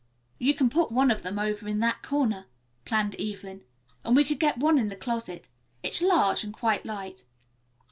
"You can put one of them over in that corner," planned Evelyn, "and we could get one into the closet. It's large and quite light.